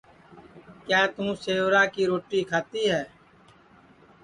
کیا توں سیورا کی روٹی کھاتی ہے